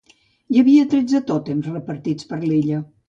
Hi havia tretze tòtems repartits per l'illa.